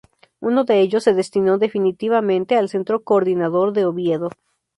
Uno de ellos se destinó definitivamente al Centro Coordinador de Oviedo.